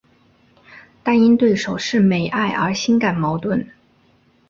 但因对手是美爱而心感矛盾。